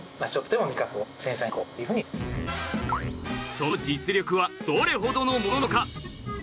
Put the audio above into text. その実力はどれほどのものなのか？